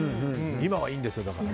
今はいいんですよ、だから。